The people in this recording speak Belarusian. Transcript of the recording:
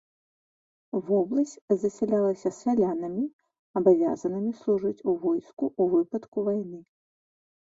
Вобласць засялялася сялянамі, абавязанымі служыць у войску ў выпадку вайны.